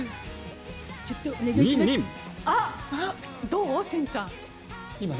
どう、しんちゃん？